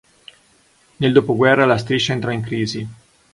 Nel dopoguerra la striscia entrò in crisi.